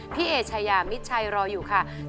พี่เอชายามิดชัยรออยู่ค่ะ